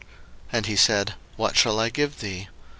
01:030:031 And he said, What shall I give thee?